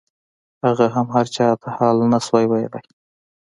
هغه هم هرچا ته حال نسو ويلاى.